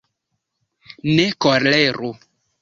ne koleru.